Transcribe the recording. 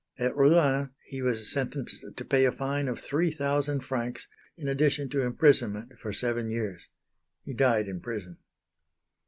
At Rouen he was sentenced to pay a fine of three thousand francs in addition to imprisonment for seven years. He died in prison.